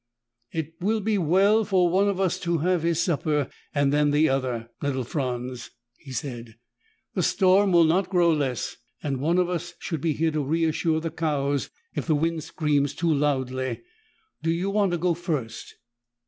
"It will be well for one of us to have his supper and then the other, little Franz," he said. "The storm will not grow less, and one of us should be here to reassure the cows if the wind screams too loudly. Do you want to go first?"